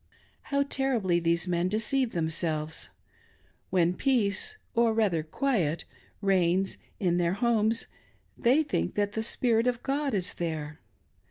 How terribly these men deceive themselves! When peace, or rather quiet, reigns in their homes, they think that the Spirit of God is there.